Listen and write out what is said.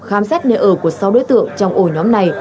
khám xét nơi ở của sáu đối tượng trong ổ nhóm này